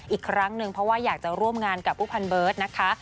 อีกครั้งหนึ่งเพราะว่าอยากจะร่วมงานกับผู้พันเบิร์ตนะคะ